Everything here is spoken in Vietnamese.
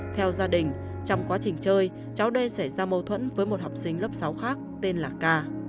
theo gia đình trong quá trình chơi cháu đê xảy ra mâu thuẫn với một học sinh lớp sáu khác tên là ca